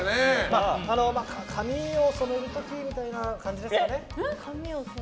髪を染める時みたいな感じですかね。